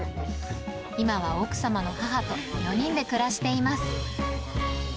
今は奥様の母と４人で暮らしています。